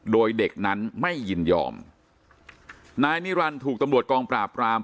โดยเด็กนั้นไม่ยินยอมนายนิรันดิ์ถูกตำรวจกองปราบราม